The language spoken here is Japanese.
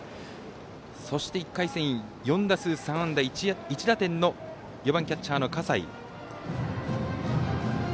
そして１回戦４打数３安打１打点の４番キャッチャーの笠井。